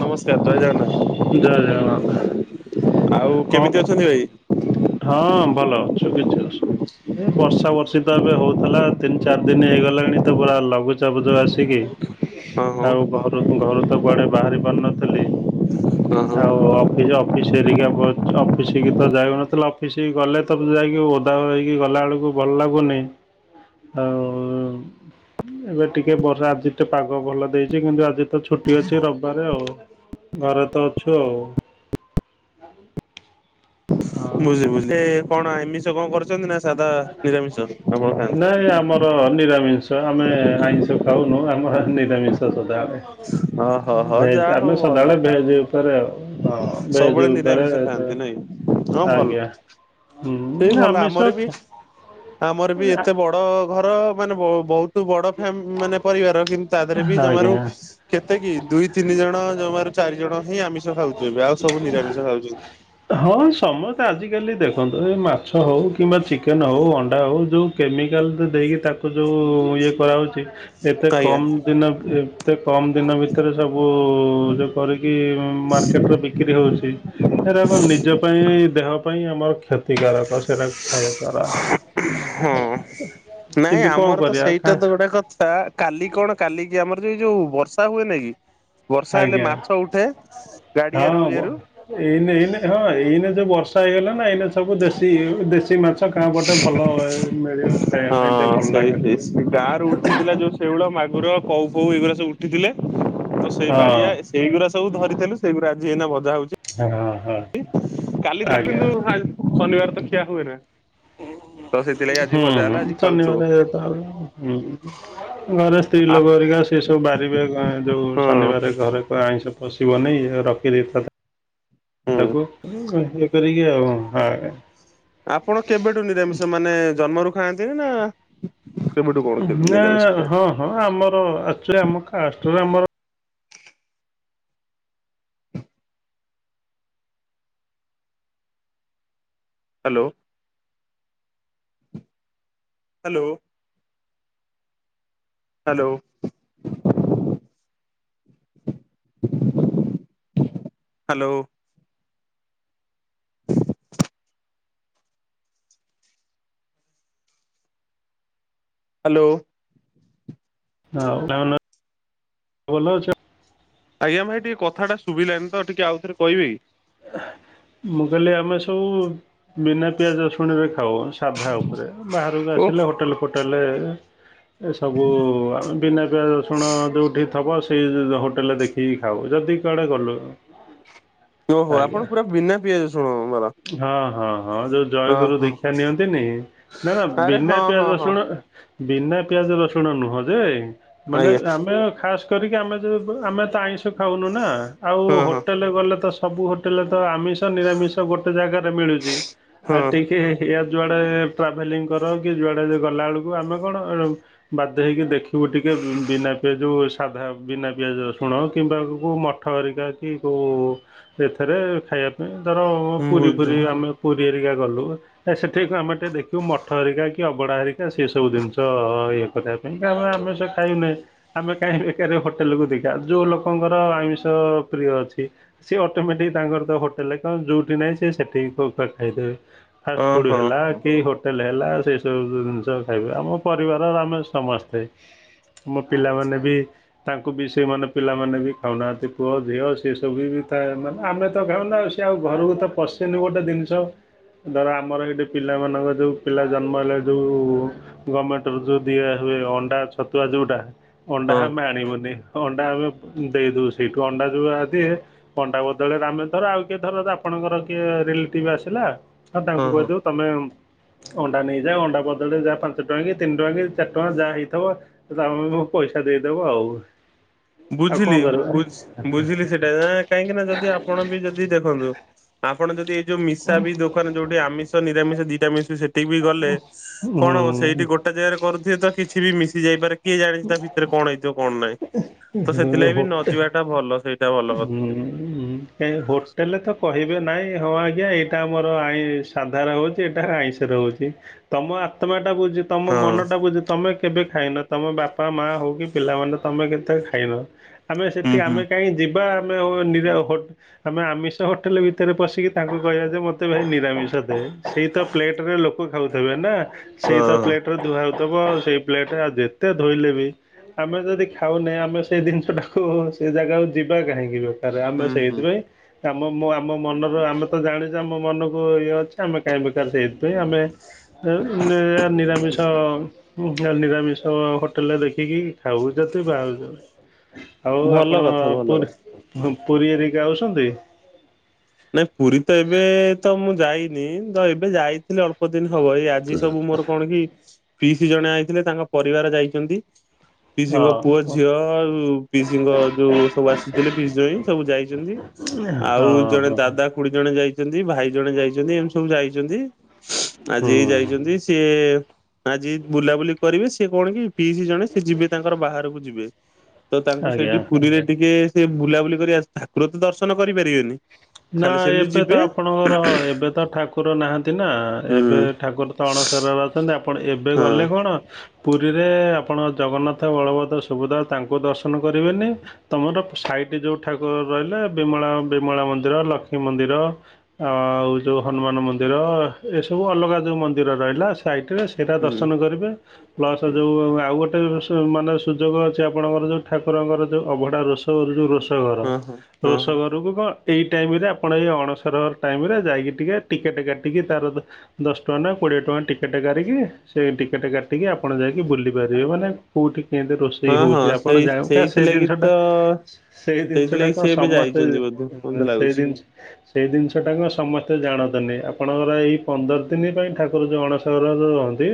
ନମସ୍କାର ଜୟ ଜଗନ୍ନାଥ। ଆଉ କେମିତି କଣ ଅଛନ୍ତି ଭାଇ? ହଁ ଭଲ ଅଛୁ କିଛି ଅସୁବିଏ ବର୍ଷା ବର୍ଷେ ତ ଏବେ ହଉଥିଲା ତିନି ଚାରି ଦିନ ହେଇଗଲାଣି ତ ପୁରା ଲଘୁଚାପ ଯୋଉ ଆସିକି। ହଁ ହଁ ଆଉ ଘରୁ ଘରୁ ତ କୁଆଡେ ବାହାରି ପାରୁନଥିଲି। ହଁ ହଁ। ଆଉ ଅଫିସି ଅଫିସି ଏରିକା ବ ଅଫିସି ହେକି ତ ଯାଉ। ଅଫିସ ଗଲେ ତ ଯାଇକି ଓଧା ହେଇକି ଗଲା ବେଳକୁ ଭଲ ଲାଗୁନି। ଆଉ ଏବେ ଟିକେ ବର୍ଷା ଆଜି ତ ପାଗ ଭଲ ଦେଇଛି କିନ୍ତୁ ଆଜି ତ ଛୁଟି ଅଛି ରବିବାରେ ଆଉ। ଘରେ ତ ଅଛୁ ଆଉ। ହଁ ବୁତେ କଣ ଏମିଷ କଣ କରଛନ୍ତି ନା ସାଧା ନିରାମିଷ ଆପଣ ଖାଆନ୍ତି? ନାଇଁ ଆମର ତ ନିରାମିଷ ଆମେ ଆଇଁଷ ଖାଉନୁ ଆମର ନିରାମିଷ। ତ ଓହୋ ସଦାବେଳେ ହୋ ଯାହା ଭେଜ ହଉ ଆମେ ଭଲ ସଦାବେଳେ ଭେଜ ଉପରେ ଆଉ ହଁ ସବୁବେଳେ ଭେଜ ଉପରେ ନିରାମିଷ ସେ ଖାଆନ୍ତି ନାଇଁ ହଁ ଭଲ। ଆଜ୍ଞା। ସେଇ ହୁଁ ଭଲ ଆମର ଆମିଷ ବି ଖା ଆମର ବି ଏତେ ବଡ ଘର ମାନେ ବ ବହୁତ ତ ବଡ ଫ୍ୟା ମାନେ ପରିବାର କିନ୍ତୁ ତା ଦେହରେ ବି ଜମାରୁ ଆଜ୍ଞା କେତେ କି ଦୁଇ ତିନି ଜଣ ଜମାରୁ ଚାରି ଜଣ ହିଁ ଆମିଷ ଖାଉଚୁ ଏବେ ଆଉ ସବୁ ନିରାମିଷ ଖାଉଚନ୍ତି। ହଁ ସମସ୍ତେ ଆଜିକାଲି ଦେଖନ୍ତୁ ଏ ମାଛ ହଉ କିମ୍ବା ଚିକେନ ହଉ ଅଣ୍ଡା ହଉ ଯଉ କେମିକାଲ ତ ଦେଇକି ତାକୁ ଯୋଉ ଇଏ କରାହୋଉଚି ଏତେ ଆଜ୍ଞା। କମ ଦିନ ଏତେ କମ ଦିନ ଭିତରେ ସବୁ ଯୋଉ କରିକି ମାର୍କେଟ ରେ ବିକ୍ରି ହଉଚି ସେରାକ ନିଜ ପାଇଁ ଦେହ ପାଇଁ ଆମର କ୍ଷତିକାରକ ସେଟା ଖାଇବା ଦ୍ୱରା। ହଁ ନାଇଁ କ'ଣ ଆମର ତ କରିବା ସେଇଟା ଖା ତ ଗୋଟେ କଥା କାଲି କଣ କାଲି କି ଆମର ଯୋଉ ଯୋଉ ବର୍ଷା ହୁଏ ନା କି? ବର୍ଷା ହେଲେ ଆଜ୍ଞା ମାଛ ଉଠେ ଗାଡିଆରୁ ଇଏ ରୁ ଏଇନ ଏଇନ ହଁ ଏଇନେ ଯୋଉ ବର୍ଷା ହେଇଗଲା ନା ଏଇନେ ସବୁ ଦେଶୀ ଦେଶୀ ସେ ମାଛ ଗାଁ ପଟେ ଭଲ ମିଳିବ ଖାଇବା ପାଇଁ ଟିକେ ଭଲ ଲାଗେ ଟିକେ ଗାଁ ରୁ ଉଠିଥିଲା ଯୋଉ ଶେଉଳ ମାଗୁର କଉ ଫଉ ଏଇଗୁରା ସବୁ ଉଠିଥିଲେ ତ ସେଇ ହଁ ବାଳିଆ ସେଇଗୁରା ସବୁ ଧରିଥେଲୁ ସେଗୁରା ଆଜି ହେଇନା ଭଜା ହଁ ହଁ ହଉଚି କାଲି ଆଜ୍ଞା ଧରିଥିଲୁ ଶନିବାର ତ ଖିଆ ଆ ହୁଏ ନା ତ ସେଥିଲାଗି ଆଜି ହୁଁ ଭଜା ହେଲା ଆଜି ଖାଉଛୁ ଶନିବାର ତ ଆଉ ଘରେ ସ୍ତ୍ରୀ ଆଉ ଲୋକ ହେରିକା ସେ ସବୁ ବାରିବେ ଅଁ ଯୋଉ ହଁ। ଶନିବାରେ ଘରେ କହିବେ ଆଇଁଷ ପଶିବନି ରଖିଦେଇଥା ହୁଁ ତାକୁ ଇଏ କରିକି ଆଉ ହଁ ଆପଣ କେବେଠୁ ନିରାମିଷ ମାନେ ଜନ୍ମରୁ ଖାଆନ୍ତିନି ନା? କେବେଠୁ କଣ କେମିତି ନା ନିରାମିଷ ଖା ହଁ ହଁ ଆମର ଆକଚୁଲି ଆମ କାଷ୍ଟରେ ଆମର hello. Hello. Hello. Hello. Hello. ଆଉ [unintelligible] ଭଲ ଅଛନ୍ ଆଜ୍ଞା ଭାଇ ଟିକେ କଥାଟା ଶୁଭିଲାନି ତ ଟିକେ ଆଉଥରେ କହିବି କି? ମୁଁ କହିଲି ଆମେ ସବୁ ବିନା ପିଆଜ ରଶୁଣରେ ଖାଉ ସାଧା ଉପରେ ବାହାରକୁ ଓ ଆସିଲେ ହୋଟେଲ ଫୋଟେଲରେ ଏସବୁ ଆମେ ବିନା ପିଆ ରସୁଣ ଜୋଉଠି ଥବ ସେଇ ଜୋ ହୋଟେଲରେ ଦେଖି ଠି ଖାଉ ଯଦି କୁଆଡ଼େ ଗଲୁ ଓହୋ ଆଜ୍ଞା ଆପଣ ପୁରା ବିନା ପିଆଜ ରଶୁଣ ବାଲା ହଁ ହଁ ହଁ ଯୋଉ ହଁ ଜୟଗୁରୁ ହଁ ଦୀକ୍ଷା ନିଅନ୍ତିନି ନା ନା ଆରେ ବିନା ହଁ ପିଆଜ ହଁ ହଁ। ରସୁଣ ବିନା ପିଆଜ ରସୁଣ ନୁହଁ ଯେ ମାନେ ଆଜ୍ଞା ଆମେ ଖାସ୍ କରିକି ଆମେ ଜୋ ବୁ ଆମେ ତ ଆମିଷ ଖାଉନୁ ନା ଆଉ ହଁ ହଁ ହୋଟେଲ ବାଲା ତ ଶ ସବୁ ହୋଟେଲରେ ତ ଆମିଷ ନିରାମିଷ ଗୋଟେ ଜାଗାରେ ମିଳୁଚି ଆଉ ହଁ ଟିକେ ଏଇଆ ଯୁଆଡେ ଟ୍ରାଭେଲିଂ କର କି ଯୁଆଡେ ଗଲା ଅଳକୁ ଆମେ କଣ ବାଧ୍ୟ ହେଇକି ଦେଖିବୁ ଟିକେ ବିନା ପିଆଜ ଯୋଉ ସାଧା ବିନା ପିଆଜ ରଶୁଣ କିମ୍ବା ମଠ ଠ ହେରିକା କି କୋଉ ଏଥିରେ ଖାଇବା ପାଇଁ ଧର ଉ ମୁଁ ପୁରୀ ବୁଝୁଛି ଫୁରୀ ଆମେ ପୁରୀ ଏରିକା ଗଲୁ ସେଠି ଆମେ ଟିକେ ଦେଖିବୁ ମଠ ହେରିକା କି ଅବଡା ହେରି ସେ ସବୁ ଜିନିଷ ଇଏ କରିବା ପାଇଁ ଆମେ ଆମିଷ ଖାଉନେ ଆମେ କାହିଁ ବେକାର ହୋଟେଲକୁୁ ଦେଖିବା ଯୋଉ ଲୋକଙ୍କର ଆମିଷ ପ୍ରିୟ ଅଛି ସିଏ ଅଟୋମେଟିକ ତାଙ୍କର ତ ହୋଟେଲ କଣ ଯୋଉ ଠି ନାଇ ସେ ସେଠିକି କ ପଠେଇ ଦେବେ ଫାଷ୍ଟ ହଁ ଫୁଡ ହଁ ହେଲା। ହଁ। କେହି ହୋଟେଲ ହେଲା ସେସବୁ ଜିନିଷ ଖାଇବେ ଆମ ପରିବାରର ଆମେ ସମସ୍ତେ ଆମ ପିଲାମାନେ ବି ତାଙ୍କୁ ବି ସେମାନେ ପିଲାମାନେ ବି ଖାଉନାହାନ୍ତି ପୁଅ ଝିଅ ସିଏ ସବୁ ବି ଥାଏ ମାନେ ଆମେ ତ ଖାଉନା। ଆଉ ଘରକୁ ତ ପଶିନି ଗୋଟେ ଜିନିଷ ଧର ଆମର ଏଟି ପିଲାମାନଙ୍କ ଯୋଉ ପିଲା ଜନ୍ମ ହେଲା ଯୋଉ ଗମେଣ୍ଟରୁ ଯୋଉ ଦିଆ ହୁଏ ଅଣ୍ଡା ଛତୁଆ ଯୋଉଟା ଅଣ୍ଡା ଆମେ ହଁ ଆଣିବୁନି। ଅଣ୍ଡା ଆମେ ଦେଇଦଉ ସେଇଠୁ ଅଣ୍ଡା ଯୋଉ ଆଦି ଅଣ୍ଡା ବଦଳରେ ଆମେ ଧର ଆଉ କିଏ ଧର ଆ ଆପଣଙ୍କର କିଏ ରିଲେଟିଭ ଆସିଲା ହଉ ତାଙ୍କୁ ହଁ କହିଦବ ତମେ ଅଣ୍ଡା ନେଇଯାଏ ଅଣ୍ଡା ବଦଳରେ ଯାହା ପାଞ୍ଚ ଟଙ୍କା କି ତିନି ଟଙ୍କା କି ଚାରି ଟଙ୍କା ଯାହା ହେଇଥିବ ତଙ୍କୁ ପଇସା ଦେଇଦବ ଆଉ। ଆଉ କଣ ବୁଝିଲି କରିବା? ବୁ ବୁଝିଲି ସେଇଟା ନା କାହିଁକିନା ଯଦି ଆପଣ ବି ଯଦି ଦେଖନ୍ତୁ। ଆପଣ ଯଦି ଏଇ ଯୋଉ ମିଶା ବି ଦୋକାନ ଯୋଉଠି ଆମିଷ ନିରାମିଷ ଦିଟା ମିଶ ସେଠି ବି ଗଲେ ହୁଁ କଣ ହବ ସେଇଠି ଗୋଟେ ଜାଗାରେ କରୁଥିବେ ତ କିଛି ବି ମିଶି ଯାଇପାରେ। କିଏ ଜାଣିଛି ତା ଭିତରେ କଣ ହେଇଥିବ କଣ ନାଇଁ। [unintelligible] ହୁଁ। ସେଇଟା ଭଲ କଥା ହୋଟେଲରେ ତ କହିବେ ନାଇଁ ହଁ ଆଜ୍ଞା ଏଇଟା ଆମର ଆଇ ସାଧାର ହଉଛି ଏଇଟା ଆଇଁଷ ରହୁଛି ତମ ଆତ୍ମାଟା ବୁଝି ତମ ହଁ। ମନ ଟା ବୁଝି ତମେ କେବେ ଖାଇନ। ତମ ବାପା ମା ହଉ କି ପିଲାମାନେ ତମେ କେତେ ଖାଇନ ଆମେ ସେଠି ହୁଁ ହୁଁ। ଆମେ କାହିଁ ଯିବ ବା ଆମେ ନିରା ଓ ଆମେ ଆମିଷ ହୋଟେଲ ଭିତରେ ପଶିକି ତାଙ୍କୁ କହିବା ଯେ ମତେ ଭାଇ ନିରାମିଷ ଦେ ସେଇ ତ ଫ୍ଲେଟରେ ଲୋକ ଖାଉଥିବେ ନା ସେଇ ତ ହଁ। ପ୍ଲେଟରେ ଧୁଆଉଥିବ ସେଇ ପ୍ଲେଟରେ ଆଉ ଯେତେ ଧୋଇଲେ ବି ଆମେ ଯଦି ଖାଉନେ ଆମେ ସେଇ ଜିନିଷଟାକୁ ସେ ଜାଗାକୁ ଯିବା କାହିଁକି? ଆରେ ଆମେ ହୁଁ ହୁଁ। ସେଇଥିପାଇଁ ଆମ ଆମ ମନରୁ ଆମେ ତ ଜାଣିଛେ ଆମ ମନକୁ ଇଏ ଅଛି ଆମେ କାହିଁ ବେକାର ସେଇଥିପାଇଁ ଆମେ ଏହାର ନିରାମିଷହାର ନିରାମିଷ। ତ ହୋଟେଲ ରେ ଦେଖିକି ଖାଉ ଯଦି ବାହାରୁଚି ଆଉ ଭଲ ଆପଣ କଥା ଭଲ ପୁର କଥା। -ପୁରୀ ଏରିକି ଆାଉଛନ୍ତି? ନାଇଁ ପୁରୀ ତ ଏବେ ତ ମୁଁ ଯାଇନି ତ ଏବେ ଯାଇଥିଲି ଅଳ୍ପ ଅଳ୍ପଦିନ ହବ ଏଇ ଆଜି ସବୁ ମୋର କଣ କି ଫିଇସି ଜଣେ ଆଇଥିଲେ ତାଙ୍କ ପରିବାର ଯାଇଛନ୍ତି। ହଁ ପିସିଙ୍କ ପୁଅ ହଁ ଝିଅ ଆଉ ପିସିଙ୍କ ଯୋଉ ସବୁ ଆସିଥିଲେ ପିସି ଜଇଁ ସବୁ ଯାଇଛନ୍ତି। ହଁ ଆଉ ଜଣେ ହଁ। ଦାଦା କୁଡି ଜଣେ ଯାଇଛନ୍ତି ଭାଇ ଜଣେ ଯାଇଛନ୍ତି ଏମିତି ସବୁ ଯାଇଛନ୍ତି ଆଜି ହୁଁ ହେଇ ଯାଇଛନ୍ତି। ସିଏ ଆଜି ବୁଲାବୁଲି କରିବେ ସି କଣ କି ପିଇସି ଜଣେ ସିଏ ଯିବେ ତାଙ୍କର ବାହାରକୁ ଯିବେ। ତ ତାଙ୍କୁ ଆଜ୍ଞା ସେଇଠି ପୁରୀରେ ଟିକେ ସେ ବୁଲାବୁଲି କରି ଠାକୁର ତ ଦର୍ଶନ କରିପାରିବେନି। ନା ଖାଲି ସେମିତି ଏବେ ତ ଯିବେ ଆପଣଙ୍କର ଏବେ ତ ଠାକୁ ଠାକୁର ନାହାନ୍ତି ନା ହୁଁ ଏବେ ଠାକୁର ତ ଅଣସରରେ ଅଛନ୍ତି ଆପଣ ଏବେ ହଁ ଗଲେ କଣ? ପୁରୀରେ ଆପଣ ଜଗନ୍ନାଥ ବଳଭଦ୍ର ସୁଭଦ୍ରା ତାଙ୍କୁ ଦର୍ଶନ କରିବେନି। ତମର ସାଇଟ ଯୋଉ ଠାକୁର ରହିଲେ ବିମଳା ବିମଳା ମନ୍ଦିର ଲକ୍ଷ୍ମୀ ମନ୍ଦିର। ଆଉ ଯେଉଁ ହନୁମାନ ମନ୍ଦିର ଏସବୁ ଅଲଗା ଯେଉଁ ମନ୍ଦିର ରହିଲା। ସାଇଟରେ ସେଇଟା ହୁଁ। ଦର୍ଶନ କରିବେ। ପ୍ଲସ ଯୋଉ ଆଉ ଗୋଟେ ମାନେ ସୁଯୋଗ ଅଛି ଆପଣଙ୍କର ଯୋଉ ଠାକୁରଙ୍କର ଯୋଉ ଅଭଢା ରୋଷ ତୋର ଯଉ ରୋସଘର ହଁ ହଁ ହଁ ହଁ ରସଘରକୁ କଣ? ଏଇ ଟାଇମରେ ଆପଣ ଏଇ ଅଣସର ଟାଇମରେ ଯାଇକି ଟିକେ ଟିକେଟ କାଟିକି ତାର ଦଶ ଟଙ୍କା ନା କୋଡ଼ିଏ ଟଙ୍କା ଟିକେଟା କାରିକି ସେ ଟିକେଟ କାଟିକି ଆପଣ ଯାଇକି ବୁଲି ପାରିବେ ମାନେ କୋଉଠି କେମ ରୋଷେଇ ହଁ ହଉଛି ହଁ ଆପଣ ସେଇ ଯ କ ସେ ସେଇଥିଲାଗି ଜିନିଷଟା ତ ସେଇ ଜିନିଷ ଟା ସେଇଥିଲାଗି କଣ ସିଏ ଏବେ ସମସ୍ତେ ଯାଇଛନ୍ତି ବୋଧେ ହଁ ମତେ ସେଇ ଲାଗୁଛି। ଦିନିସ ସେଇ ଜିନିଷଟା କୁ ସମସ୍ତେ ଜାଣନ୍ତେନି ଆପଣଙ୍କର ଏଇ ପନ୍ଦର ଦିନ ପାଇଁ ଠାକୁର ଯୋଉ ଅଣ [unintelligible] ରୁହନ୍ତି,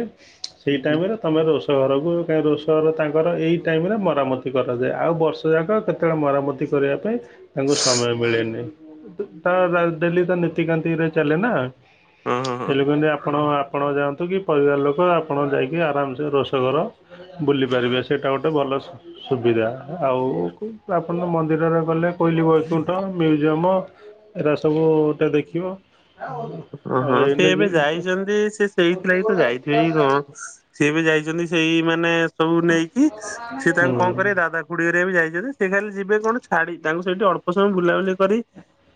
ସେଇ ହୁଁ ହୁଁ। ଟାଇମରେ ତମେ ରୋଷ ଘରକୁ କାହିଁ ରୋଷଘର ତାଙ୍କର ଏଇ ଟାଇମ ରେ ମରାମତି କରାଯାଏ। ଆଉ ବର୍ଷ ଯାକ କେତେବେଳେ ମରାମତି କରିବା ପାଇଁ ତାଙ୍କୁ ସମୟ ମିଳେନି। ତା ଡେଲି ତ ନୀତିକାନ୍ତିରେ ଚାଲେ ନା। ହଁ ହଁ ହଁ। [unintelligible] ଆପଣ ଆପଣ ଯାଆନ୍ତୁ କି ପରିବାର ଲୋକ ଆପଣ ଯାଇକି ଆରାମ ସେ ରୋଷଘର ବୁଲି ପାରିବେ। ସେଇଟା ଗୋଟେ ଭଲ ସୁବିଧା। ଆଉ ଆପଣ ମନ୍ଦିରରେ ଗଲେ କୋଇଲି ବୈକୁଣ୍ଠ ମ୍ୟୁଜିୟମ, ଏରା ସବୁ ଟା ଦେଖିବ। [unintelligible] ଓ ହଁ। ସେ ଏଇନେ ଏବେ ଯେ ଯାଇଛନ୍ତି ସେ ସେଇଥିଲାଗି ତ ଯାଇଥିବେ କି କଣ। ସିଏ ବି ଯାଇଛନ୍ତି ସେଇ ମାନେ ସବୁ ନେଇକି। ସିଏ ତାଙ୍କୁ ହୁଁ କଣ କରେ ଦାଦା ଖୁଡି ହେରିକା ବି ଯାଇଛନ୍ତି। ସେ ଖାଲି ଯିବେ କଣ ଛାଡି ତାଙ୍କୁ ସେଇଠି ଅଳ୍ପ ସମୟ ବୁଲାବୁଲି କରି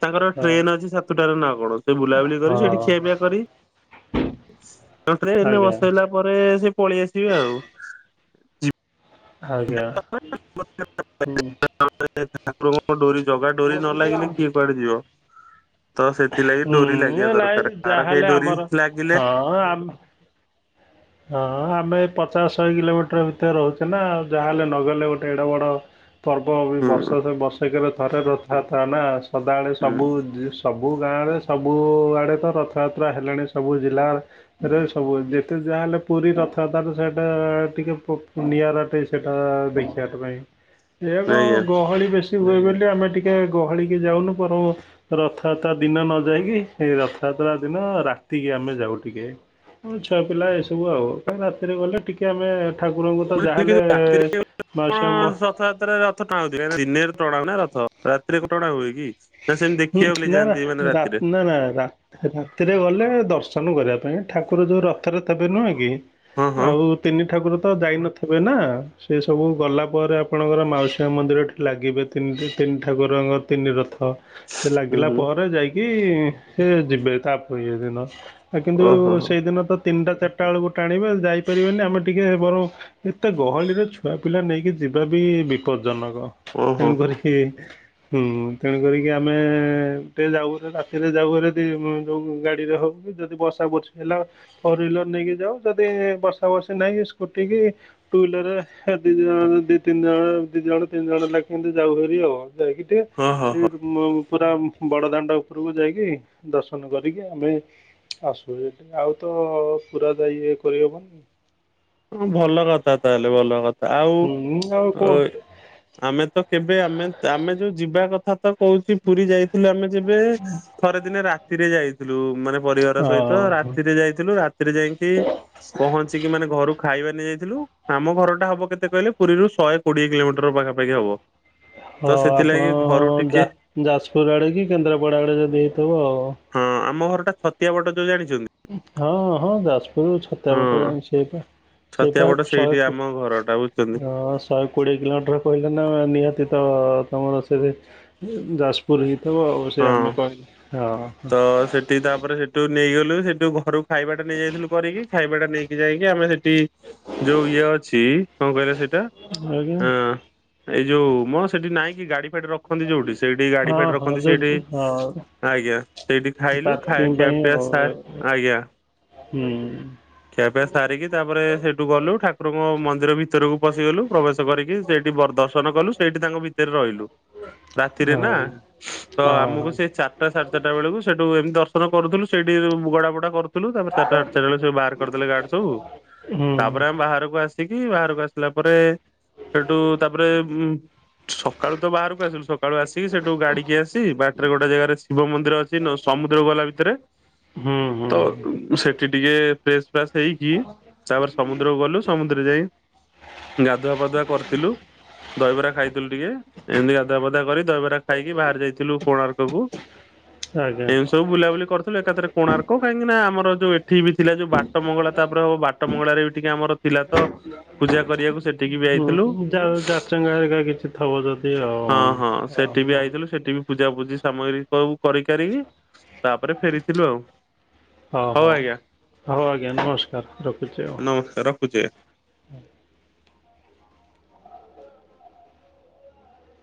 ତାଙ୍କର ହଁ ଟ୍ରେନ ଅଛି ସାତଟାରେ ନା କଣ ସେ ବୁଲାବୁଲି ସେଠି ହଁ ଖିଆ ପିଆ କରି ତାଙ୍କୁ ଟ୍ରେନରେ ଆଜ୍ଞା ବସେଇଲା ପରେ ସେ ପଳେଇ ଆସିବେ ଆଉ। ଆଜ୍ଞା [unintelligible] ହୁଁ ଠାକୁରଙ୍କ ଡୋରି ଜଗା ଡୋରି ନ ଲାଗିଲେ କିଏ କୁଆଡେ ଯିବ। ତ ସେଥିଲାଗି ହୁଁ ଡୋରି ଲାଗିବା ଏ ନାଇଁ ଦରକାର। [unintelligible] କେହି ଯାହାହେଲେ ଡୋରି ଆମର ଲାଗିଲେ ହଁ ଆମ ହଁ ଆମେ ପଚାଶ ଶହେ କିଲୋମିଟର ଭିତରେ ରହୁଚେ ନା। ଯାହାହେଲେ ନଗଲେ ଗୋଟେ ଏଡ଼ ବଡ଼ ପର୍ବ ବି ହୁଁ ବର୍ଷ ହୁଁ ସେ ବର୍ଷକରେ ଥରେ ରଥଯାତ୍ରା ନା ସଦାବେଳେ ସବୁ ସବୁ ଗାଁରେ ସବୁଆଡ଼େ ତ ରଥଯାତ୍ରା ହେଲାଣି ସବୁ ଜିଲ୍ଲାର ରେ ସବୁ [unintelligible] ଯେତେ ଯାହାହେଲେ ପୁରୀ ରଥଯାତ୍ରା ତ ସେଇଟା ଟିକେ ନିଆରା ଅଟେ ସେଇଟା ଦେଖିବା ପାଇଁ। ଏଇଆ କଣ ଆଜ୍ଞା। ଗହଳି ବେଶୀ ହୁଏ ବୋଲି ଆମେ ଟିକେ ଗହଳି କି ଯାଉନୁ ବରଂ ରଥଯାତ୍ରା ଦିନ ନ ଯାଇକି ଏଇ ରଥଯାତ୍ରା ଦିନ ରାତିକି ଆମେ ଯାଉ ଟିକେ। ଛୁଆ ପିଲା ଏସବୁ ଆଉ। କାଳେ ରାତିରେ ଗଲେ ଟିକେ ଆମେ ଠାକୁରଙ୍କୁ ତ ମୁଁ ଯାହାହେଲେ। [unintelligible] ରଥଯାତ୍ରା ରେ ରଥ ଟଣା ହଉଚି। ଦିନ ଟଣା ହୁଏ ନା ରଥ ରାତିରେ ଟଣା ହୁଏ କି। ନା ସେମିତି ଉଁ ଦେଖିବାକୁ ବୋଲି ନା ନା ଯାଆନ୍ତି ମାନେ ରା ରାତିରେ ନା ନା ରା ରାତିରେ ଗଲେ ଦର୍ଶନ କରିବା ପାଇଁ। ଠାକୁର ଯୋଉ ରଥରେ ଥେବେ ନୁହେଁ କି। ହଁ ହଁ ଆଉ ତିନି ଠାକୁର ତ ଯାଇନଥିବେ ନା। ସେ ସବୁ ଗଲା ପରେ ଆପଣଙ୍କର ମାଉସୀ ମା ମନ୍ଦିରଠି ଲାଗିବେ ତିନି ତିନି ଠାକୁରଙ୍କ ତିନି ରଥ। ସେ ହୁଁ ଲାଗିଲା ହୁଁ ପରେ ଯାଇକି ସେ ଯିବେ ତାପ ଇଏ ଦିନ। କିନ୍ତୁ ଓହୋ ହୋ ସେଇଦିନ ତ ତିନିଟା ଚାରିଟା ବେଳକୁ ଟାଣିବେ ଯାଇପାରିବେନି ଆମେ ଟିକେ ବରଂ ଏତେ ଗହଳିରେ ଛୁଆ ପିଲା ନେଇକି ଯିବା ବି ବିପଦଜନକ। ଓହୋ ତେଣୁ ହୋ। କରିକି ହୁଁ। ତେଣୁ କରିକି ଆମେ ଟେ ଯାଉରେ ରାତିରେ ଯାଉଭାରି ଯଦି ଯୋଉ ଗାଡ଼ିରେ ହେଉ କି ଯଦି ବସ। [unintelligible] ହେଲା ଫୋର ହ୍ବିଲର ନେଇକି ଯାଉ ଯଦି ବର୍ଷା ବର୍ଷି ନାହିଁ ସ୍କୁଟି କି ଟୁ ହ୍ୱିଲରରେ ଦି ଦି ଜଣ ଦି ତିନି ଜଣ ଦି ଜଣ ତିନି ଜଣ ଲାକେ ଏମିତି ଯାଉ ଭାରି ଆଉ। ଯାଇକି ଟିକେ ହଁ ହଁ ସେଇ ପୁରା ବଡ଼ଦାଣ୍ଡ ଉପରକୁ ଯାଇକି ଦର୍ଶନ କରିକି ଆମେ ଆସୁ। ଆଉ ତ ପୁରା ଯା ଇଏ କରିହବନି। ହଁ ଭଲ କଥା ତାହେଲେ ଭଲ କଥା। ଆଉ ହୁଁ ଆଉ କଣ ଏ ଆମେ ତ କେବେ ଆମେ ଆମେ ଯୋଉ ଯିବା କଥା ତ କହୁଛି ପୁରୀ ଯାଇଥିଲୁ ଆମେ ଯେବେ ଥରେ ଦିନେ ରାତିରେ ଯାଇ ଥିଲୁ। ମାନେ ପରିବାର ସହିତ ହଁ ରାତିରେ ଯାଇଥିଲୁ ରାତିରେ ଯାଇକି ପହଞ୍ଚିକି ମାନେ ଘରକୁ ଖାଇବା ନେଇଯାଇଥିଲୁ। ଆମ ଘର ଟା ହବ କେତେ କହିଲେ ପୁରୀରୁ ଶହେ କୋଡିଏ କିଲୋମିଟର ପାଖାପାଖି ହବ। [inaudible] ହଁ ତ ଆପଣ ସେଥିଲାଗି ଘରୁ ଯା ଟିକେ ଯାଜପୁର ଆଡ଼େ କି କେନ୍ଦ୍ରାପଡ଼ା ଆଡେ ଯଦି ହେଇଥିବ ଆଉ। ହଁ, ଆମ ଘର ଟା ଛତିଆ ବଟ ଯଉ ଜାଣିଛନ୍ତି? ହଁ, ହଁ, ଯାଜ ଉ ଛତିଆ ହଁ ବାଟ ଜାଣି ସେପା ଛତିଆ ସେଇପା ବଟ ଶହେ ସେଇଠି ପୁ ଆମ ଘରଟା ବୁଝୁଛନ୍ତି ହଁ ସ ଶହେ କୋଡ଼ିଏ କିଲୋମିଟର କହିଲେ ନା, ନିହାତି ତ ତମର ସେରେ ଯାଜପୁର ହେଇଥିବ ଆଉ, ସେ ହଁ ଆମେ କହିଲେ ହଁ ହ ତି ତା'ପରେ ସେଠୁ ନେଇଗଲୁ, ସେଠୁ ଘରକୁ ଖାଇବା ଟା ନେଇ ଯାଇଥିଲୁ କରିକି। ଖାଇବା ଟା ନେଇକି ଯାଇକି ଆମେ ସେଠି ଯୋଉ ଇଏ ଅଛି, କଣ କହିଲ ସେଠ୍ ଟା ଆଜ୍ଞା ଅଁ, ଏଇ ଯୋଉ ମଁ, ସେଠି ନାଇଁ କି ଗାଡି ଏଠି ରଖନ୍ତି ଯଉଠି, ସେଇଠି ଗାଡ଼ି ହଁ ଫାଡ଼ି ରଖ ହଁ କହନ୍ତି ସେଇଠି ଯେଉଁ ହଁ ଆଜ୍ଞା, ସେଇଠି ଖାଇଲୁ ଖାଇ ପାର୍କିଂ ଖିଆ ପାଇଁ ପିଆ ଆଉ ସାର, ଆଜ୍ଞା ହୁଁ। ଖିଆପିଆ ସାରିକି ତା'ପରେ ସେଇଠୁ ଗଲୁ, ଠାକୁରଙ୍କ ମନ୍ଦିର ଭିତରକୁ ପଶିଗଲୁ। ପ୍ରବେଶ କରିକି ସେଇଠି ବରଦର୍ଶନ କଲୁ, ସେଇଠି ତାଙ୍କ ଭିତରେ ରହିଲୁ। ରାତିରେ ହଁ ନା! ତ ହଁ ହଁ ଆମକୁ ସେ ଚାରିଟା ସାଢେ ଚାରିଟା ବେଳକୁ ସେଠୁ ଏମିତି ଦର୍ଶନ କରୁଥିଲୁ। ସେଇଠି ଗଡା ବୁଡା କରୁ ଥୁଲୁ। ତା'ପରେ ତାରଟା ହାଟ ଚ୍ୟାନେଲେ ସବୁ ବାହାର କରଦେଲେ ଗାର୍ଡ ସବୁ। ହୁଁ ତା'ପରେ ଆମେ ବାହାରକୁ ଆସିି ଇକି ବାହାରକୁ ଆସିଲା ପରେ ସେଠୁ ତା'ପରେ ଉଁ, ସକାଳୁ ତ ବାହାରକୁ ଆସିଲୁ। ସକାଳ କାଳୁ ଆସିକି ସେଠୁ ଗାଡି କିଏ ଆସି, ବାଟରେ ଗୋଟେ ଜେଗାରେ ଶିବ ମନ୍ଦିର ଅଛି, ସମୁଦ୍ରକୁ ଗଲା ଭିତରେ ହୁଁ ତ ହୁଁ ସେଠି ଟିକେ ଫ୍ରେଶ୍ ଫ୍ରାସ୍ ହେଇକି, ତା'ପରେ ସମୁଦ୍ରକୁ ଗଲୁ। ସମୁଦ୍ର ଯାଇଁ, ଗାଧୁଆ ପାାଧୁଆ କରିଥିଲୁ। ଦହିବରା ଖାଇଥିଲୁ ଟିକେ, ଏମିତି ଗାଧା ପଧା କରି ଦହିବରା ଖାଇ କି, ବାହାରି ଯାଇଥିଲୁ କୋଣାର୍କକୁ। ଆଜ୍ଞା ଏମ୍ ସବୁ ବୁଲାବୁଲି କରିଥିଲୁ ଏକାଥରେ କୋଣାର୍କ! କାହିଁକି ନା, ଆମର ଯୋଉ ଏଠି ବି ଥିଲା। ଯୋଉ ବା ବାଟ ମଙ୍ଗଳା। ତା'ପରେ ହବ ବାଟ ମଙ୍ଗଳାରେ ବି ଟିକେ ଆମର ଥିଲା ତ ପୂଜା କରିବାକୁ, ସେଠିକି ବି ଆଇଥିଲୁ। କାର ଜାଚଙ୍ଗା ହେରିକା କିଛି ଥବ, ଯଦି ଆଉ-ଉ ଅହ। ଥିଲୁ ସେଠି ବି ପୂଜାପୂଜି ସାମଗ୍ରୀ ସବୁ କରିି କାରିକି, ତା'ପରେ ଫେରିଥିଲୁ ଆଉ। ଓ ହଉ! ହଉ ଆଜ୍ଞା, ନମସ୍କାର! ରଖୁଛି ଆଉ। ନମସ୍କାର ରଖୁଛି।